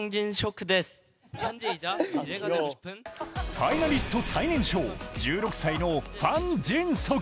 ファイナリスト最年少、１６歳のファン・ジンソク。